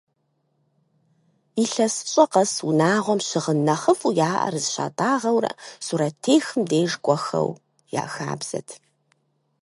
Илъэсыщӏэ къэс унагъуэм щыгъын нэхъыфӏу яӏэр зыщатӏагъэурэ, сурэттехым деж кӏуэхэу я хабзэт.